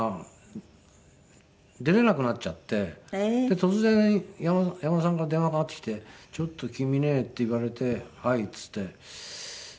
突然山田さんから電話かかってきて「ちょっと君ね」って言われて「はい」って言って。